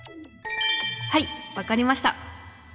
はい分かりました。